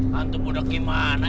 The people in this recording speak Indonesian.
hantu budeg gimana